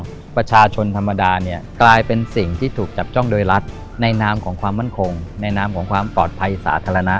เพราะประชาชนธรรมดาเนี่ยกลายเป็นสิ่งที่ถูกจับจ้องโดยรัฐในนามของความมั่นคงในนามของความปลอดภัยสาธารณะ